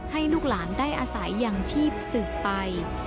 ให้ลูกหลานได้อาศัยอย่างชีพสืบไป